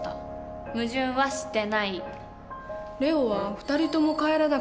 矛盾はしてない。